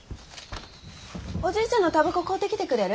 おじいちゃんのたばこ買うてきてくれる？